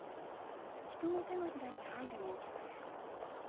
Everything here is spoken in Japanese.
人の手のひらに入る大きさです。